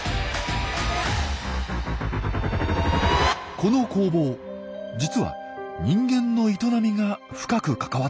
この攻防実は人間の営みが深く関わっています。